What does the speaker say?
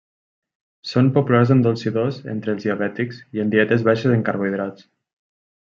Són populars endolcidors entre els diabètics i en dietes baixes en carbohidrats.